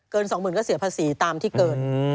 เกิน๒หมื่นก็เสียภาษีตามที่เกิน